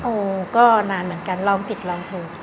โอ้ก็นานเหมือนกันลองผิดลองถูก